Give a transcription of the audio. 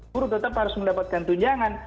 buruh tetap harus mendapatkan tunjangan